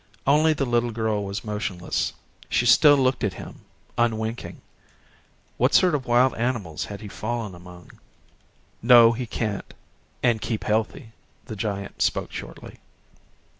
Only the little girl was motionless she still looked at him, unwinking. What sort of wild animals had he fallen among? "No, he can't an' keep healthy." The giant spoke shortly.